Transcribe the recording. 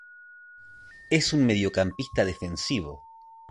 Es un mediocampista defensivo.